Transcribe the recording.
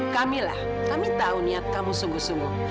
kamilah kami tahu niat kamu sungguh sungguh